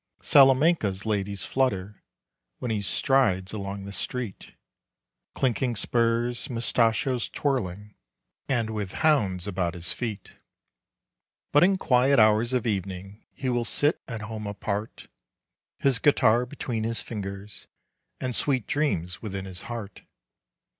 Salamanca's ladies flutter When he strides along the street, Clinking spurs, mustachoes twirling, And with hounds about his feet. But in quiet hours of evening He will sit at home apart, His guitar between his fingers, And sweet dreams within his heart.